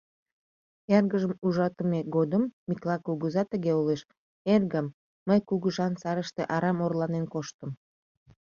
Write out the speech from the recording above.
Эргыжым ужатыме годым Миклай кугыза тыге ойлыш: «Эргым, мый кугыжан сарыште арам орланен коштым.